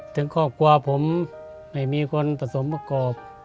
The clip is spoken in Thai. ถึงก็กลัวผมไม่มีคนผสมประกอบ